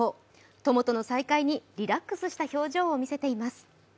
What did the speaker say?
友との再会にリラックスした表情を見せています。